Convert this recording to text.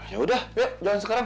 ya udah yuk jalan sekarang